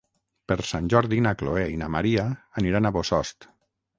Per Sant Jordi na Chloé i na Maria aniran a Bossòst.